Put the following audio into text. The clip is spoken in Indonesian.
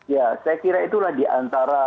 ya saya kira itulah diantara